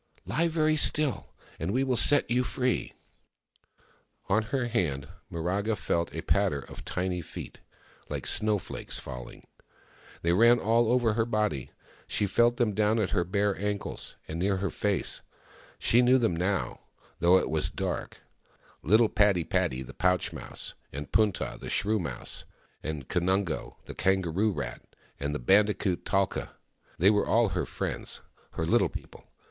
" Lie very still, and we will set you free !" On her hand, Miraga felt a patter of tiny feet, Uke snowflakes falling. They ran all over her body ; she felt them down at her bare ankles, and near her face. She knew them now, though it was dark— little Padi padi, the pouch mouse, and Punta, the shrew mouse, and Kanungo, the kangaroo rat, with the bandicoot, Talka. They were all her friends— her Little People.